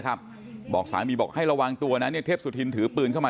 บอกสามีบอกให้ระวังตัวนะเนี่ยเทพสุธินถือปืนเข้ามา